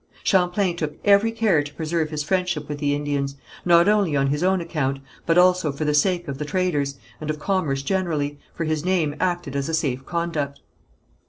Champlain took every care to preserve his friendship with the Indians, not only on his own account, but also for the sake of the traders, and of commerce generally, for his name acted as a safe conduct.